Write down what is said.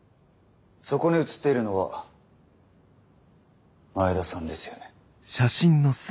そこに写っているのは前田さんですよね？